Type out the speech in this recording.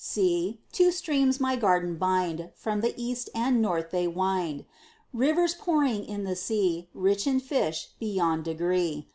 See: two streams my garden bind, From the East and North they wind, Rivers pouring in the sea, Rich in fish, beyond degree.